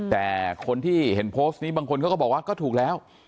แต่คนที่เห็นโพสต์นี้บางคนเขาก็บอกว่าก็ถูกแล้ว